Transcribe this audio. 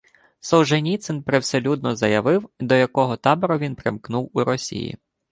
Солженіцин привселюдно заявив, до якого табору він примкнув у Росії